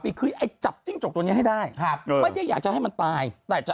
ปีคือไอ้จับจิ้งจกวันนี้ให้ได้ไม่อยากจะให้มันตายได้จะ